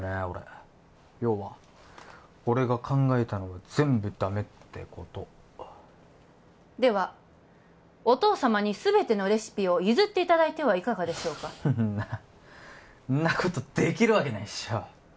俺要は俺が考えたのが全部ダメってことではお父様にすべてのレシピを譲っていただいてはいかがでしょうかんなんなことできるわけないっしょ